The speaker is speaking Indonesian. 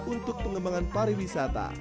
untuk pengembangan pariwisata